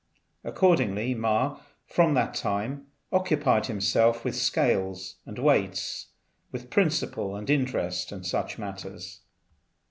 Accordingly, Ma from that time occupied himself with scales and weights, with principle and interest, and such matters.